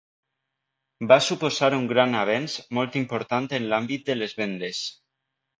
Va suposar un gran avenç molt important en l'àmbit de les vendes.